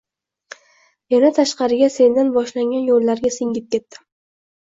Yana tashqariga sendan boshlangan yo’llarga singib ketdim.